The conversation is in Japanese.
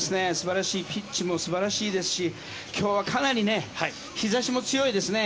ピッチも素晴らしいですし今日はかなり日差しも強いですね。